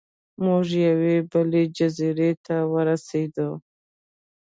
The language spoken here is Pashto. موږ یوې بلې جزیرې ته ورسیدو.